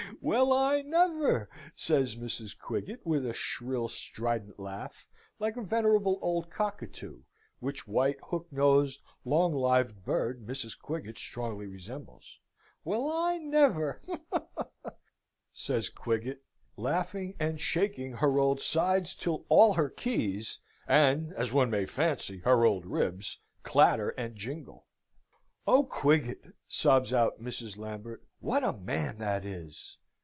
"Well, I never!" says Mrs. Quiggett, with a shrill, strident laugh, like a venerable old cockatoo which white, hook nosed, long lived bird Mrs. Quiggett strongly resembles. "Well, I never!" says Quiggett, laughing and shaking her old sides till all her keys, and, as one may fancy, her old ribs clatter and jingle. "Oh, Quiggett!" sobs out Mrs. Lambert, "what a man that is!"